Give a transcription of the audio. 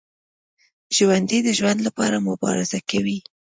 ژوندي د ژوند لپاره مبارزه کوي